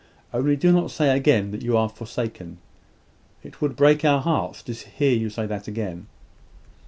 Only do not say again that you are forsaken. It would break our hearts to hear you say that again."